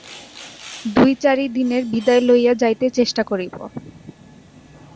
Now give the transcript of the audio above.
দুই-চারি দিনের বিদায় লইয়া যাইতে চেষ্টা করিব।